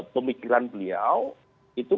pemikiran beliau itu